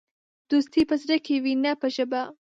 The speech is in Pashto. دوستي په زړه کې وي، نه په ژبه.